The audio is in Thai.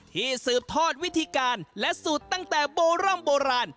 สืบทอดวิธีการและสูตรตั้งแต่โบร่ำโบราณ